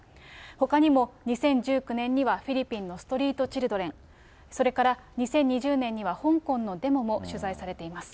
ほかにも２０１９年にはフィリピンのストリートチルドレン、それから２０２０年には香港のデモも取材されています。